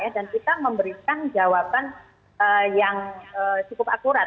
dan kita memberikan jawaban yang cukup akurat